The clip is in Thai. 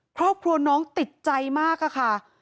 ครอบครัวน้องติดใจมากค่ะ